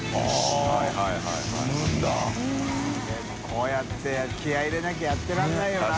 こうやって気合入れなきゃやってられないよな。